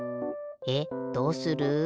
えっどうする？